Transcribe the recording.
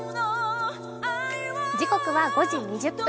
時刻は５時２０分。